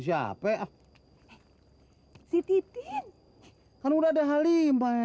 siapa si titik kan udah ada halimba